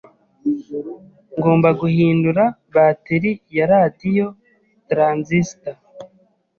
Ngomba guhindura bateri ya radio transistor.